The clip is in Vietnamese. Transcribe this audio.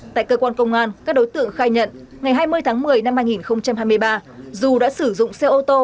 tại cơ quan công an các đối tượng khai nhận ngày hai mươi tháng một mươi năm hai nghìn hai mươi ba du đã sử dụng xe ô tô